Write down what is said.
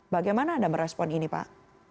bagaimana anda merespon ini pak